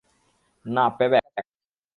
না, প্যেব্যাক।